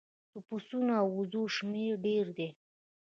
د پسونو او وزو شمیر ډیر دی